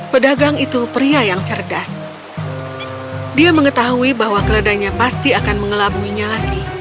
pedagang itu pria yang cerdas dia mengetahui bahwa keledanya pasti akan mengelabuinya lagi